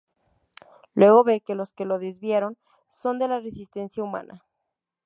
Luego ve que los que lo desviaron, son de la resistencia humana.